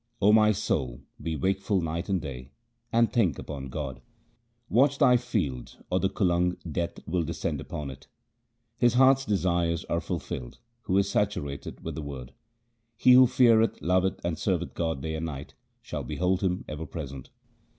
O my soul, be wakeful night and day, and think upon God. Watch thy field or the kulang Death will descend upon it. His heart's desires are fulfilled who is saturated with the Word. He who feareth, loveth, and serveth God day and night shall behold Him ever present.